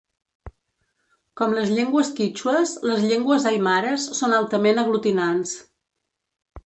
Com les llengües quítxues, les llengües aimares són altament aglutinants.